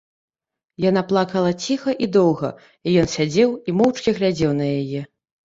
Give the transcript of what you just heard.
Яна плакала ціха і доўга, і ён сядзеў і моўчкі глядзеў на яе.